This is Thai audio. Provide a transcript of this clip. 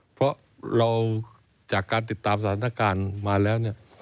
เพราะเราจากการติดตามสถานการณ์มาแล้วเนี่ย